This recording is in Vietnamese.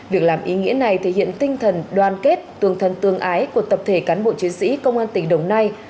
việc làm ý nghĩa này thể hiện tinh thần đoàn kết tương thân tương ái của tập thể cán bộ chiến sĩ công an tỉnh đồng nai